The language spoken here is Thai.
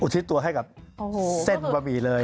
อุทิตย์ตัวให้กับเส้นบะหมี่เลย